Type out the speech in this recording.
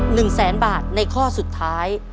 หนึ่งแสนบาทในข้อสุดท้าย